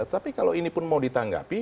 tapi kalau ini pun mau ditanggapi